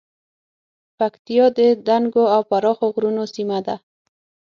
پکتیا د دنګو او پراخو غرونو سیمه ده